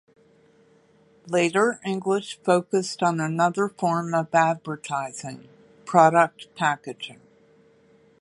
Later English focused on another form of advertising: product packaging.